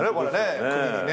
国にね。